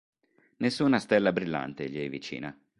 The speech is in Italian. Nessuna stella brillante gli è vicina.